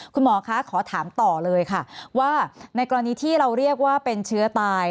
คุณหมอคะขอถามต่อเลยค่ะว่าในกรณีที่เราเรียกว่าเป็นเชื้อตาย